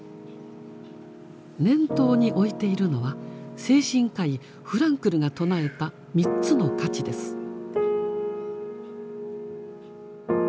念頭に置いているのは精神科医フランクルが唱えた「三つの価値」です。